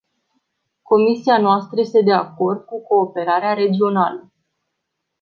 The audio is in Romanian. Comisia noastră este de acord cu cooperarea regională.